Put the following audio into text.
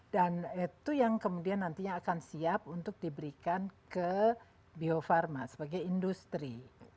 itu yang kemudian nantinya akan siap untuk diberikan ke bio farma sebagai industri